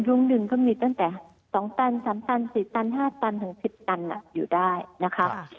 ลุงหนึ่งเขามีตั้งแต่๒ตัน๓ตัน๔ตัน๕ตันถึง๑๐ตันอยู่ได้นะคะ